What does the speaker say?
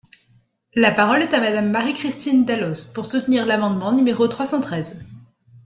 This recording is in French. La parole est à Madame Marie-Christine Dalloz, pour soutenir l’amendement numéro trois cent treize.